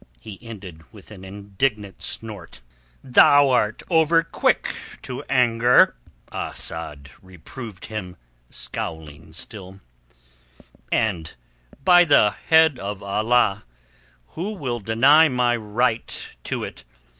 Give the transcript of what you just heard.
He ended with an indignant snort. "Thou art over quick to anger," Asad reproved him, scowling still "And by the Head of Allah, who will deny my right to it?